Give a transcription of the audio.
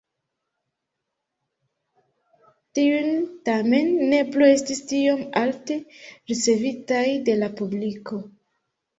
Tiuj tamen ne plu estis tiom alte ricevitaj de la publiko.